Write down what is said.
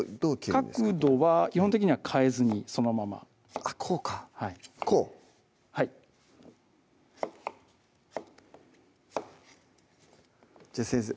角度は基本的には変えずにそのままあっこうかこうはいじゃあ先生